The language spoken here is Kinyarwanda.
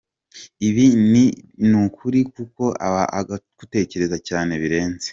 Ibi niukuri kuko aba agutekereza cyane birenze.